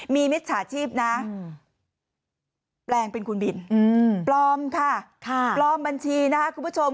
มีมิจฉาชีพนะแปลงเป็นคุณบินปลอมค่ะปลอมบัญชีนะครับคุณผู้ชม